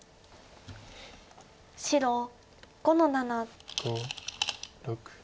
白５の七。